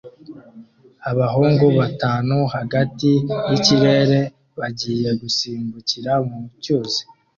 Abahungu batanu hagati yikirere bagiye gusimbukira mu cyuzi